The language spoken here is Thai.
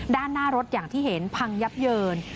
ด้านหน้ารถอย่างที่เห็นพังยับเยิน